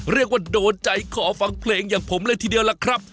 เรียกว่าโดนใจขอฟังเพลงอย่างผมเลยทีเดียวล่ะครับ